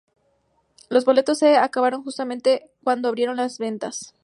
Los boletos se acabaron justamente cuando abrieron las ventas.